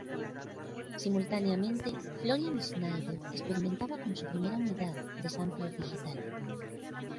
Simultáneamente Florian Schneider experimentaba con su primera unidad de sampler digital.